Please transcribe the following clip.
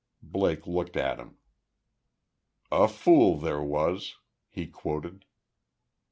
Blake looked at him. "'A fool there was';" he quoted.